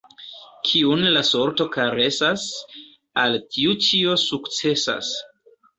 Kiun la sorto karesas, al tiu ĉio sukcesas.